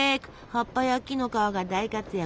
葉っぱや木の皮が大活躍。